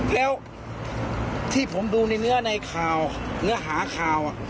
แล้วที่ผมดูในเนื้อในข่าวเนื้อหาข่าว